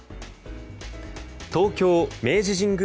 東京・明治神宮